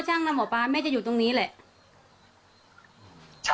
แม่ยังคงมั่นใจและก็มีความหวังในการทำงานของเจ้าหน้าที่ตำรวจค่ะ